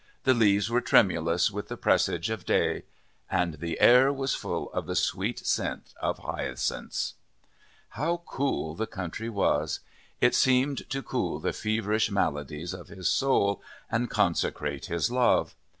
The leaves were tremulous with the presage of day, and the air was full of the sweet scent of hyacinths. How cool the country was! It seemed to cool the feverish maladies of his soul and consecrate his love.